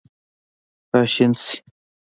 راشین شي